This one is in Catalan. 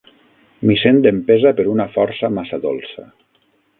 M'hi sent empesa per una força massa dolça.